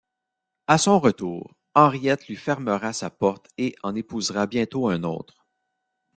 À son retour, Henriette lui fermera sa porte et en épousera bientôt un autre.